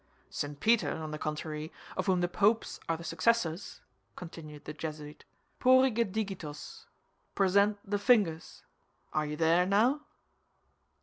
"St. Peter, on the contrary, of whom the Popes are the successors," continued the Jesuit; "porrige digitos—present the fingers. Are you there, now?"